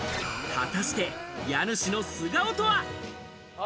果たして家主の素顔とは？